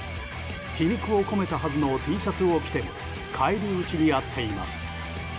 皮肉を込めたはずのＴシャツを着ても返り討ちにあっています。